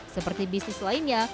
seperti bisnis lainnya